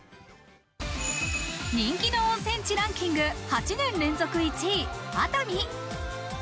人気の温泉地ランキング８年連続１位、熱海。